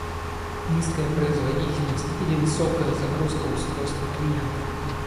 Низкая производительность или высокая загрузка устройства клиента